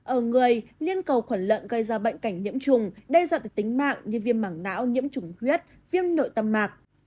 ở người liên cổ lợn gây ra bệnh cảnh nhiễm trùng đe dọa tới tính mạng như viêm mảng não nhiễm trùng huyết viêm nội tâm mạc